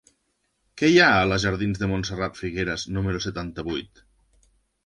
Què hi ha a la jardins de Montserrat Figueras número setanta-vuit?